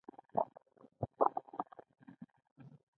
د خدای صنع په مني کې ښکاره وي